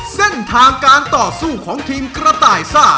เส้นทางการต่อสู้ของทีมกระต่ายซ่า